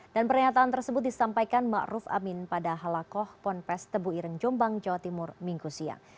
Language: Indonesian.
dan pernyataan tersebut disampaikan ma'ruf amin pada halakoh ponpes tebu iren jombang jawa timur minggu siang